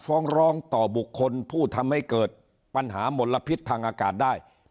ฟ้องร้องต่อบุคคลผู้ทำให้เกิดปัญหามลพิษทางอากาศได้